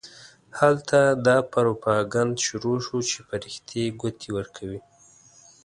هلته دا پروپاګند شروع شو چې فرښتې ګوتې ورکوي.